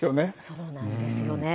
そうなんですよね。